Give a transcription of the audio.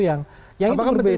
yang itu berbeda